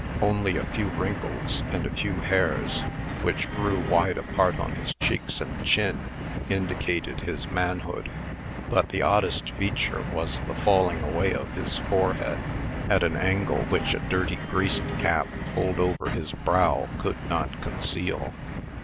Only a few wrinkles, and a few hairs, which grew wide apart on his cheeks and chin, indicated his manhood. But the oddest feature was the falling away of his forehead, at an angle which a dirty greased cap, pulled over his brow, could not conceal.